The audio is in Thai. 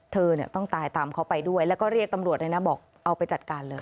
เธอเนี่ยต้องตายตามเขาไปด้วยแล้วก็เรียกตำรวจเลยนะบอกเอาไปจัดการเลย